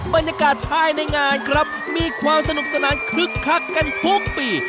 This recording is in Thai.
บรรยากาศภายในงานครับมีความสนุกสนานคึกคักกันทุกปี